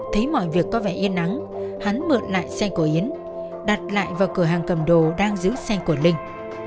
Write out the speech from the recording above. thấy mọi việc có vẻ yên nắng hắn mượn lại xe của yến đặt lại vào cửa hàng cầm đồ đang giữ xe của linh